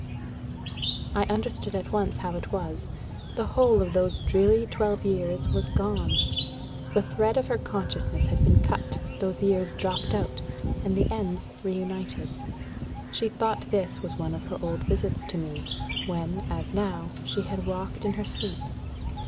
I understood at once how it was. The whole of those dreary twelve years was gone. The thread of her consciousness had been cut, those years dropped out, and the ends reunited. She thought this was one of her old visits to me, when, as now, she had walked in her sleep.